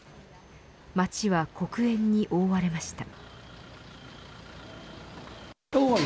街は黒煙に覆われました。